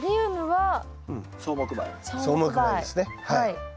はい。